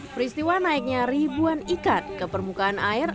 peristiwa naiknya ribuan ikat ke permukaan air